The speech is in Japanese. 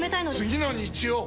次の日曜！